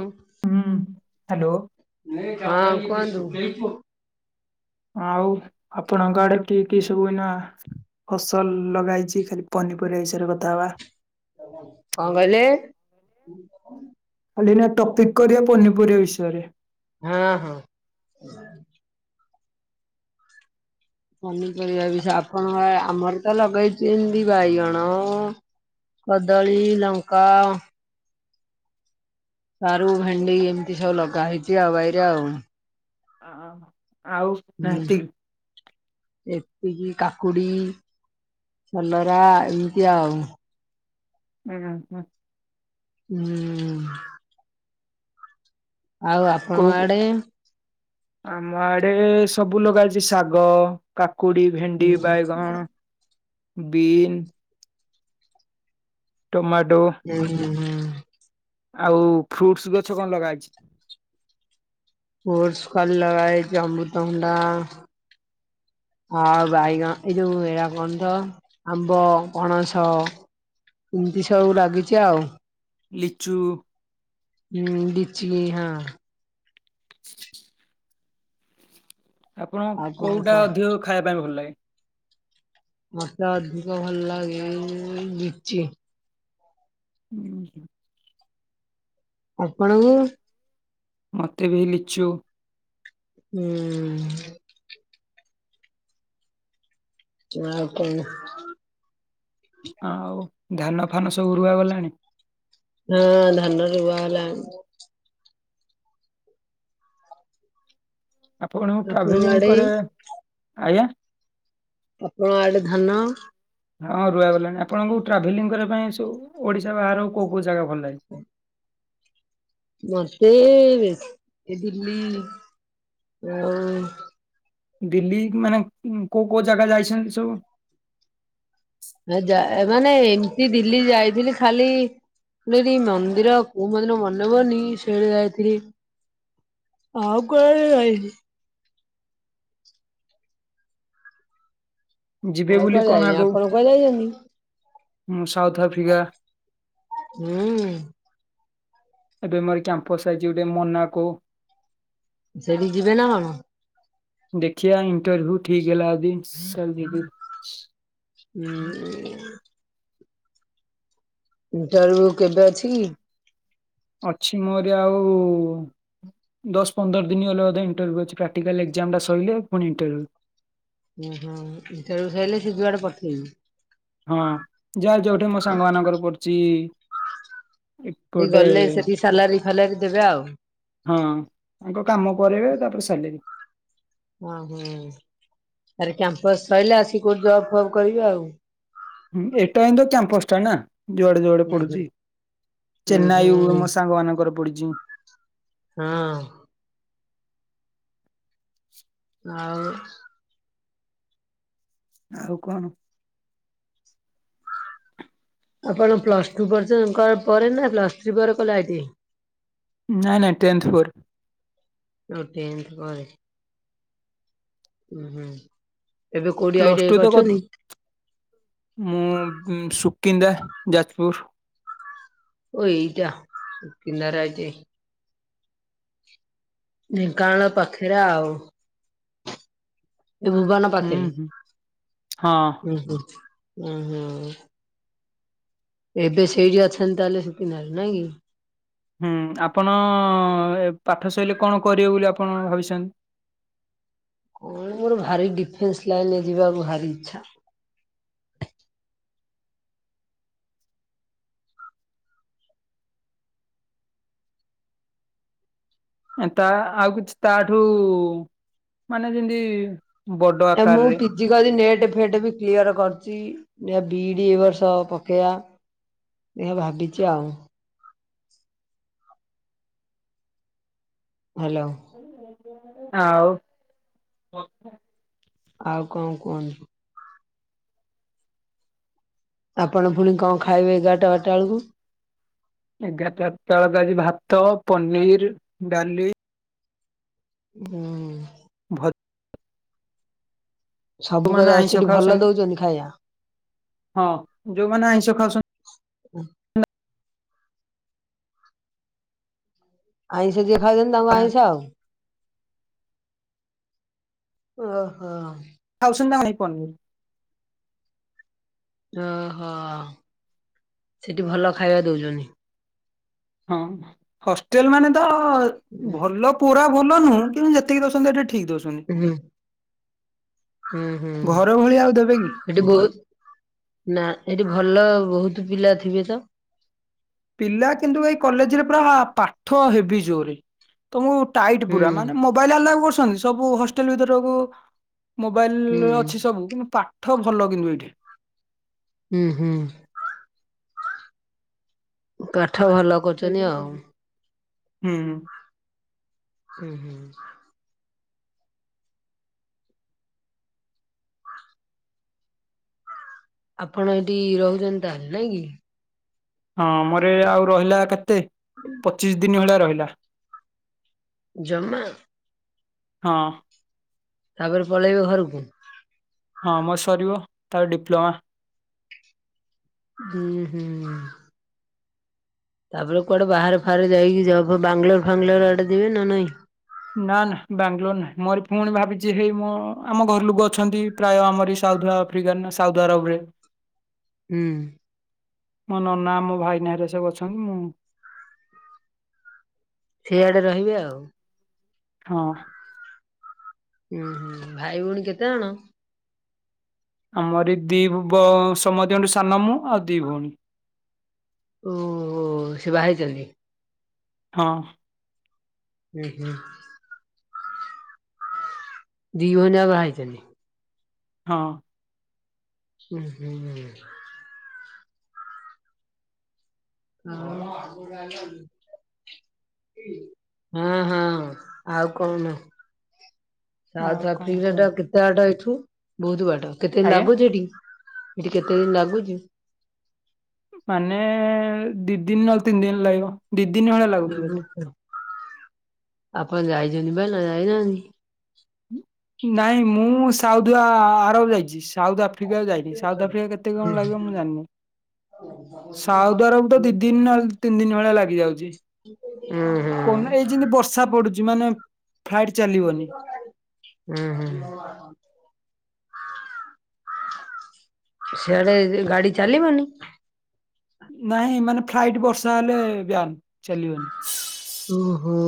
ହଁ। ହୁଁ ହ୍ୟାଲୋ। ହଁ କୁହନ୍ତୁ? ଆଉ ଆପଣଙ୍କ ଆଡେ କି କି ସବୁ ଏନା ଫସଲ ଲଗା ହେଇଛି ଖାଲି ପନିପରିବା ହିସାବରେ କଥା ହବା। କଣ କହିଲେ? [inaudible] କାଲି ନା ଟପିକ୍ କରିବା ପନିପରିବା ବିଷୟରେ। ହଁ ହଁ। ପନିପରିବା ବିଷ ଆପଣଙ୍କ ଆମର ତ ଲଗେଇଛି ଏମତି ବାଇଗଣ। କଦଳୀ, ଲଙ୍କା। ସାରୁ, ଭେଣ୍ଡି ଏମିତି ସବୁ ଲଗା ହେଇଛି ଆଉ ବାଇରେ ଆଉ। ଅ ଆଉ ହୁଁ। ନାତି ଏତିକି କାକୁଡି, କଲରା ଏମିତି ଆଉ। ହୁଁ ହୁଁ। ହୁଁ। ହୁଁ। ଆଉ କୋଉ ଆପଣଙ୍କ ଆଡେ? ଆମ ଆଡେ ସବୁ ଲଗା ଅଛି ଶାଗ, କାକୁଡି। ଭେଣ୍ଡି, ହୁଁ ବାଇଗଣ, ବିନ। ଟମାଟୋ। ହୁଁ ହୁଁ ହୁଁ। ଆଉ ଫ୍ରୁଟସ ଗଛ କଣ ଲଗାଛି? ଓୋଡଷ ଖାଲି ଲଗାଇଛି ଆମ୍ବୁତ ଭଣ୍ଡା। ଆଉ ବାଇଗଣ ଏଇ ଯୋଉ ଏରା କଣ ତ? ଆମ୍ବ, ପଣସ ଏମିତି ସବୁ ଲାଗିଛି ଆଉ। ଲିଚୁ। ହୁଁ ଲିଚ ହଁ। ଆପଣ ଆଉ କଣ କୋଉଟା କୁହ? ଅଧିକ ଖାଇବା ପାଇଁ ଭଲ ଲାଗେ। ମତେ ଅଧିକ ଭଲ ଲାଗେ ବିଛି। ହୁଁ ହୁଁ ଆପଣଙ୍କୁ? ମତେ ବି ହେଇ ଲିଚୁ। ହୁଁ ଆଉ କଣ ଆଉ ଧାନ ଫାନ ସବୁ ରୁଆ ଗଲାଣି। ହଁ ଧାନ ରୁ ବା ହେଲାଣି। ଆପଣ ଆପଣଙ୍କ ଟ୍ରାଭେଲିଂ ଆଡେ କରେ। ଆଜ୍ଞା। ଆପଣ ଆଡେ ଧାନ ହଁ ରୁଆଗଲାଣି। ଆପଣଙ୍କୁ ଟ୍ରାଭେଲିଂ କରିବା ପାଇଁ ସବୁ ଓଡ଼ିଶା ବାହାରେ କୋଉ କୋଉ ଜାଗା ଭଲ ଲାଗେ। ହୁ ମତେ ଏ ଦିଲ୍ଲୀ ଆଉ ଦିଲ୍ଲୀ ମାନେ କୋଉ କୋଉ ଜାଗା ଯାଇଛନ୍ତି ସବୁ। ନା ଯା ମାନେ ଏମିତି ଦିଲ୍ଲୀ ଯାଇଥିଲି ଖାଲି - - ଦିଲ୍ଲୀ ମନ୍ଦିର କୋଉ ମନ୍ଦିର ମନେ ପଡୁନି ସେଇଟା ଯାଇଥିଲି। ଆଉ କୁଆଡ଼େ ଯାଇନି। ଯିବେ ଆଉ ବୋଲି କୁଆଡେ କଣ ଯାଇନି। ଆଗକୁ ଆପଣ କୁଆଡେ ଜାଇଚନ୍ତି? ସାଉଥ ଆଫ୍ରିକା ହୁଁ ଏବେ ମୋର କ୍ୟାମ୍ପସ ଆଇଚି ଗୋଟେ ମୋନା କୁ। ସେଠି ଯିବେ ନା କଣ? ଦେଖିବା ଇଣ୍ଟରଭ୍ୟୁ ଠିକ ହେଲା ଯଦି କାଲି ଯିବି। ହୁଁ ଇଣ୍ଟରଭ୍ୟୁ କେବେ ଅଛିି କି? ଅଛି ମୋରି ଆଉ ଦଶ ପନ୍ଦର ଦିନ ହେଲା ବୋଧେ ଇଣ୍ଟରର୍ଭିୟୁ ଅଛି ପ୍ରାକ୍ଟିକାଲ ଏକ୍ସାମ ଟା ସଇଲେ ପୁଣି ଇଣ୍ଟରର୍ଭିୟୁ। ଓ ହୋ ଇଣ୍ଟରର୍ଭିୟୁ ସାରିଲେ ସେ ଯୁଆଡେ ପଠେଇବେ। ହଁ ଯାହା ଯୋଉଠି ମୋ ସାଙ୍ଗ ମାନଙ୍କର ପଡୁଚି। ହେଠୀ ଗଲେ ସେଠି ସାଲାରୀ ଫାଲାରୀ ଦେବେ ଆଉ। ହଁ ତାଙ୍କ କାମ କରାଇବେ ତାପରେ ସାଲେରୀ। ଓ ହୋ ତାପରେ କ୍ୟାମ୍ପସ ସଇଲେ ଆସିକି କୋଜ ଦେବାକୁ କହିବି ଆଉ। ହୁଁ ଏଟା ହିଁ ତ କ୍ୟାମ୍ପସ ଟା ନା। ଯୁଆଡେ ଯୁଆଡେ ହୁଁ ହୁଁ। ପଡୁଚି ଉଁ ଚେନ୍ନାଇ ହୁଁ ମୋ ସାଙ୍ଗ ମାନଙ୍କର ପଡିିଚି। ହଁ ଆଉ ଆଉ କଣ? ଆପଣ ପ୍ଲସ୍ ଟୁ ପର୍ଯ୍ୟନ୍ତ କ ପରେ ନା ପ୍ଲସ୍ ଥ୍ରୀ ପରେ ଖୋଲା ହେଇଚି। ନାଇଁ ନାଇଁ ଟେନଥ ପରେ। ଓ ଟେନଥ ପରେ। ଓ ହ ଏବେ କୋଉଠି I plus T I two ତ କ- କରିଚନ୍ତି। ମୁଁ ସୁକିନ୍ଦା ଯାଜପୁର। ଓ ଏଇଟା ସୁକିନ୍ଦା ରେ ଆଇ ଟି ଆଇ। ଢେଙ୍କାନାଳ ପାଖରେ ଆଉ। ଏ ଭୁବନ ହୁଁ ପାଖରେ। ହୁଁ ହଁ ହୁଁ ହୁଁ ହୁଁ ହୁଁ ଏବେ ସେଇଠି ଅଛନ୍ତି ତାହେଲେ ସୁକିନ୍ଦା ରେ ନାଇଁ କି? ହୁଁ ଆପଣ ଏ ପାଠ ସଇଲେ କଣ କରିବେ ବୋଲି ଆପଣ ଭାବିଛନ୍ତି? କଣ ମୋର ଭାରି ଡିଫେନ୍ସ ଲାଇନ ରେ ଯିବାକୁ ଭାରି ଇଚ୍ଛା। ଏନ୍ତା, ଆଉ କିଛି ତାଠୁ ମାନେ ଯେମିତି ବଡ ଏ ମୁଁ ଆକାରରେ ପି ପିଜି କରି ନେଟ୍ ଫେଟ୍ ବି କ୍ଲିୟର କରୁଛି, ଦେଖିଆ ବିଇଡି ଏ ବର୍ଷ ପକେଇବା। ଏହା ଭାବିଛି ଆଉ। ହ୍ୟାଲୋ। ଆଉ ଆଉ କଣ କୁହନ୍ ଆପଣ ପୁଣି କଣ ଖାଇବେ ଏଗାରଟା ବାରଟା ବେଳକୁ? ଏଗାରଟା [unintelligible] ଆଜି ଭାତ, ପନିର, ଡାଲି ହୁଁ। [unintelligible] ସବୁ ଯୋଉମାନେ କଥା ଅଛି, ଆଇଁଷ ହେଠି ଭଲ ଖାଉଛନ୍ତି ଦଉଛନ୍ତି ଖାଇବା? ହଁ, ଯୋଉମାନେ ଆଇଁଷ ଖାଉଛନ୍ତି। ଆଇଁଷ ଯିଏ ଖାଉଛନ୍ତି ତାଙ୍କୁ ଆଇଁଷ ଆଉ। ଓହୋ। [unintelligible] ଓହୋ, ସେଠି ଭଲ ଖାଇବା ଦଉଛନ୍ତି? ହଁ, ହଷ୍ଟେଲ ମାନେ ତ ଭଲ ପୁରା ଭଲନୁହୁ କିନ୍ତୁ ଯେତିକି ଦଉଛନ୍ତି ହେଟା ଠିକ [unintelligible] [unintelligible] ହୁଁ ହୁଁ। ଘର ଭଳିଆ ଆଉ ଦେବେ କି? ଏଠି ବହୁତ, ନା ଏଠି ଭଲ ବହୁତୁ ପିଲା ଥିବେ ତ? ପିଲା କିନ୍ତୁ ଏଇ କଲେଜରେ ପୁରା ପାଠ ହେବି ଜୋରେ। ତମକୁ ଟାଇଟ୍ ହୁଁ ପୁରା, ମାନେ ମୋବାଇଲ ଆଲାଉ କରୁଛନ୍ତି ସବୁ ହଷ୍ଟେଲ ଭିତରକୁ ହୁଁ ମୋବାଇଲ ଅଛି ସବୁ କିନ୍ତୁ ପାଠ ଭଲ କିନ୍ତୁ ଏଇଠି। ହୁଁ ହୁଁ। କାଠ ଭଲ କରୁଛନ୍ତି ଆଉ [unintelligible] ହୁଁ। ହୁଁ ହୁଁ। ଆପଣ ଏଠି ରହୁଛନ୍ତି ତାହେଲେ ନାଇଁ କି? ହଁ ମୋର ଏ ଆଉ ରହିଲା କେତେ ପଚିଶ ଦିନ ଭଳିଆ ରହିଲା। ଜମା ହଁ। ତାପରେ ପଳେଇବେ ଘରୁକୁ? ହଁ ମୋ ସରିବ, ତାର ଡିପ୍ଲୋମା। ହୁଁ ହୁଁ। ତାପରେ କୁଆଡେ ବାହାରେ ଫହାରେ ଯାଇକି ଯବ୍ ଫବ୍ ବାଙ୍ଗଲୋର ଫାଙ୍ଗଲୋର ଆଡେ ଯିବି ନା ନାଇଁ? ନା ନା ବାଙ୍ଗାଲୋର ନାହିଁ ମୋର ଫୁଣି ଭାବିଛି ହେଇ ମୋ ଆମ ଘର ଲୋକ ଅଛନ୍ତି ପ୍ରାୟ ଆମରି ସାଉଥ ଆଫ୍ରିକା ନା ସାଉଦ ଆରବ ରେ। ହୁଁ। ମୋ ନନା ମୋ ଭାଇ ନାଁରେ ସବ ଅଛନ୍ତି, ମୁଁ ସେଇଆଡେ ରହିବି ଆଉ। ହଁ। ଉୁଁ ହୁଁ ଭାଇ ଭଉଣୀ କେତେଜଣ? ଆମରରି ଦି ବ ସମନ୍ତିଅ ଙ୍କ ଠୁ ସାନ ମୁଁ ଆଉ ଦି ଭଉଣୀ। ଊୁଅ ସେ ବାହା ହେଇଛନ୍ତି? ହଁ। ହୁଁ ହୁଁ। ଦି ଭଉଣୀ ଯାକ ବାହା ହେଇଛନ୍ତି? ହଁ। ହୁଁ ହୁଁ। [inaudible] ହଁ ହଁ ଆଉ କହୁନ। ଆଉ ସାଉଥ କଣ ଆଫ୍ରିକା ଟା କୁହନ୍ତୁ କେତେ ବାଟା ଏଠୁ ବହୁତ ବାଟ, କେତେ ଆଜ୍ଞା ଲାଗୁଛି ଏଠି? ଏଠି କେତେ ଦିନ ଲାଗୁଛି? ମାନେ ଦି ଦିନ ନହେଲେ ତିନି ଦିନ ଲାଗିବ। ଦି ଦିନି ଖଣ୍ଡେ ଲାଗି [unintelligible] ଆପଣ ଯାଇଛନ୍ତି ବା ନାଁ ଯାଇନାହାଁନ୍ତି। ନାଇଁ ମୁଁ ସାଉଦୁଆ ଆରବ ଯାଇଛି। ସାଉଥ ଆଫ୍ରିକା ଯାଇନି, ସାଉଥ ଆଫ୍ରିକା କେତ ହୁଁ କଣ ଲାଗିବ ମୁଁ ଜାଣିନି। [inaudible] କହିବୁ ତ ଦି ଦିନ ନହେଲେ ତିନି ଦିନ ଭଳିଆ ଲାଗି ଯାଉଛି। ଉଁ ହୁଁ। କଅନା ଏଇ ଯେମିତି ବର୍ଷା ପଡୁଛି ମାନେ ଫ୍ଲାଇଟ ଚାଲିବନି। ଉଁ ହୁଁ। ସିଆଡେ ଗାଡି ଚାଲିବନି। ନାଇଁ ମାନେ ଫ୍ଲାଇଟ ବର୍ଷା ହେଲେ ବ୍ୟାନ୍ ଚାଲିିବନି। ଓହୋ।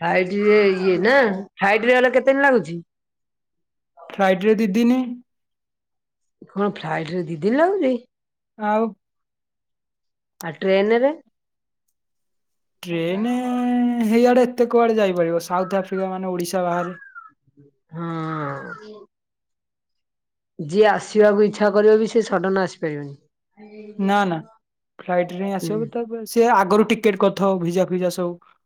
ଫ୍ଲାଇଟ ଇଏ ନା ଫ୍ଲାଇଟ ରେ ଗଲେ କେତେଦିନ ଲାଗୁଛି? ଫ୍ଲାଇଟରେ ଦି ଦିନି। କଣ ଫ୍ଲାଇଟରେ ଦି ଦିନି ଲାଗୁଛି। ଆଉ। ଆଉ ଟ୍ରେନ୍ ରେ। ଟ୍ରେନ ହେଇଆଡ଼େ ଏତେ କୁଆଡ଼େ ଯାଇପାରିବ, ସାଉଥ୍ ଆଫ୍ରିକା ମାନେ ଓଡ଼ିଶା ବାହାରେ। ହଁ ଅ। ଯିଏ ଆସିବାକୁ ଇଚ୍ଛା କରିବ ବି ସେ ସଡ଼ନ ଆସିପାରିବନି। ନା ନା ଫ୍ଲାଇଟ ରେ ହିଁ ହୁଁ ଆସିବ ତ ସିଏ ଆଗରୁ ଟିକେଟ କରିଥିବ ଭିଜା ଫିଜା ସବୁ।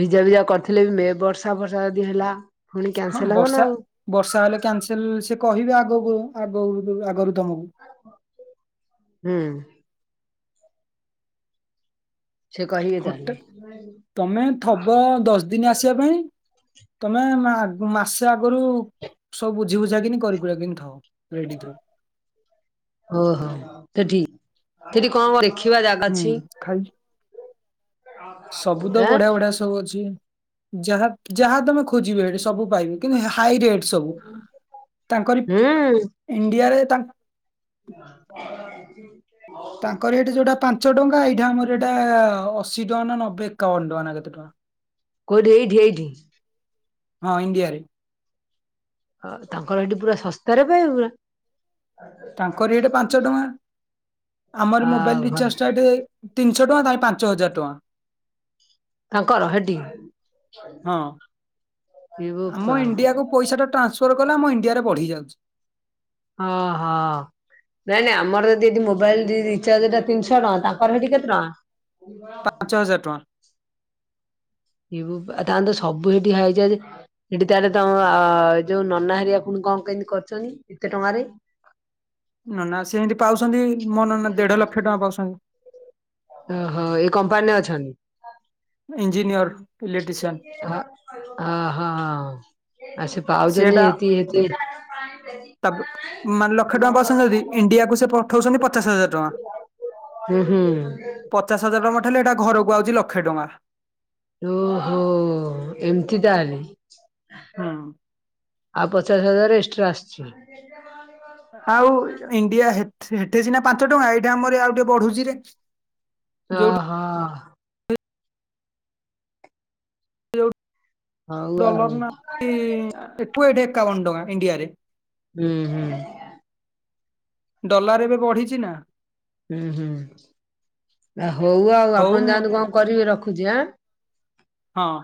ଭିଜା ଭିଜା କରିଥିଲେ ବି ମେ ବର୍ଷା ବର୍ଷା ଯଦି ହେଲା। ପୁଣି ହଁ କ୍ୟାନସେଲ ହବ ନା ବର୍ଷା ଆଉ। ବର୍ଷା ହେଲେ କ୍ୟାନ୍ସେଲ୍ ସେ କହିବେ ଆଗକୁ ଆଗ ଆଗରୁ ତମକୁ। ହୁଁ। ସେ କହିବେ ହୋଟେ ତାହେଲେ ତମେ ଥବ ଦଶ ଦିନି ଆସିବା ପାଇଁ। ତମେ ମା ମାସେ ଆଗରୁ ସବୁ ବୁଝି ବୁଝା କିନି କରିି କୁରା କି ଥବ ରେଡି ଥିବ। ଓହୋ ସେ ଠିକ୍ ସେଠି କଣ କରିବ। ହୁଁ ଖାଇ। ସବୁ ତ ଆଁ ବଢିଆ ବଢିଆ ସବୁ ଅଛି ଯାହା ଯାହା ତମେ ଖୋଜିବ ଏଠି ସବୁ ପାଇବେ କିନ୍ତୁ ହାଇରେଟ୍। ସବୁ ତାଙ୍କରି ହୁଁ ଇଣ୍ଡିଆରେ ତାଙ୍କ। [inaudible] ତାଙ୍କର ହେଠି ଯୋଉଟା ପାଞ୍ଚ ଟଙ୍କା ଏଇଠି ଆମର ଏଇଟା-ଆ-ଆ ଅଶୀ ଟଙ୍କା ନା ନବେ ଏକାବନ ଟଙ୍କା ନା କେତେ ଟଙ୍କା। କୋଉଠି ଏଇଠି-ଏଇଠି? ହଁ ଇଣ୍ଡିଆରେ। ହଁ ତାଙ୍କର ହେଇଠି ପୁରା ଶସ୍ତାରେ ପାଇବୁ ପୁରା। ତାଙ୍କର ହେଠି ପାଞ୍ଚ ଟଙ୍କା ଆମର ଆ ମୋବାଇଲ ଭଲ ରିଚାର୍ଜଟା ଏଠି ତିନିଶହ ଟଙ୍କା, ତାଙ୍କର ପାଞ୍ଚ ହଜାର ଟଙ୍କା। ତାଙ୍କର ହେଠି? ହଁ। ଏ ଆମ ବୋପା ଇଣ୍ଡିଆକୁ ପଇସାଟା ଟ୍ରାନ୍ସଫର କଲେ ଆମ ଇଣ୍ଡିଆରେ ବଢି ଯାଉଛି। ଅ-ହ। ନାଇଁ-ନାଇଁ ଆମର ଯଦି ଏଠି ମୋବାଇଲ ରି-ଇ-ରିଚାର୍ଜଟା ତିନିଶହ ଟଙ୍କା ତାଙ୍କର ସେଠି କେତେ ଟଙ୍କା? ପାଞ୍ଚ ହଜାର ଟଙ୍କା। ଏ ବୋପା ତାଙ୍କର ସବୁ ସେଠି ହାଇଚାର୍ଜେ। ସେଠି ତାହେଲେ ତମ ଆ-ଆ-ଆ ଯୋଉ ନନା ହେରିକା ପୁଣି କଣ କେମିତି କରୁଛନ୍ତି ଏତେ ଟଙ୍କାରେ? ନନା ସେ ସେମିତି ପାଉଛନ୍ତି, ମୋ ନନା ଦେଢ ଲକ୍ଷ ଟଙ୍କା ପାଉଛନ୍ତି। ଓହୋ ଏଇ କମ୍ପାନୀରେ ଅଛନ୍ତି? ଇଞ୍ଜିନିୟର। ଇଲେକ୍ଟ୍ରିସିଆନ୍। ଅ ହଁଅ-ଅ ଆଉ ସେ ପାଉଛନ୍ତି ସିଏଟା, ଏତି ଏତି ତା [inaudible] ମାନେ ଲକ୍ଷେ ଟଙ୍କା ପାଉଛନ୍ତି ଯଦି ଇଣ୍ଡିଆକୁ ସେ ପଠଉଛନ୍ତି ପଚାଶ ହଜାର। ଟଙ୍କା। ହୁଁ ହୁଁ। ପଚାଶ ହଜାର ଟଙ୍କା ପଠେଇଲେ ହେଇଟା ଘରକୁ ଆଉଚି ଲକ୍ଷେ ଟଙ୍କା। ଓ ହୋ-ଓ-ଓ ଏମିତି ତାହେଲେ? ହୁଁ। ଆଉ ପଚାଶ ହଜାର ଏକ୍ସଟ୍ରା ଆସିଛି? [inaudible] ଆଉ ଇଣ୍ଡିଆ ହେଠି ହେଠେଇ ସିନା ପାଞ୍ଚ ଟଙ୍କା ଏଇଠି ଆମର ଆଉ ଟିକେ ବଢୁଛି ରେ ଓ ହ। ଯୋଉ ହଉ ଆଉ ଡଲର ନା [inaudible] ଏଠି ଏକାବନ ଟଙ୍କା ଇଣ୍ଡିଆରେ। ହୁଁ- ହୁଁ। ଡଲାର ଏବେ ବଢିଛି ନା। ଉଁ -ହୁଁ, ହଉ ଆଉ ଆପଣ ଯାଆନ୍ତୁ କଣ କରିବେ ରଖୁଛି ଆଁ। ହଁ।